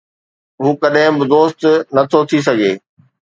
هو ڪڏهن به دوست نٿو ٿي سگهي